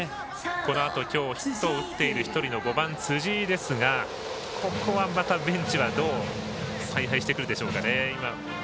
このあときょうヒットを打っている１人の５番の辻井ですが、ここはベンチはどう采配してくるでしょうか。